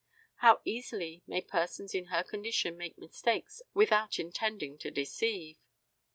How easily may persons in her condition make mistakes without intending to deceive!